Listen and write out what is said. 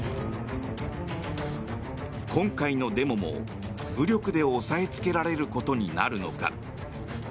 今回のデモも武力で押さえつけられることになるのか。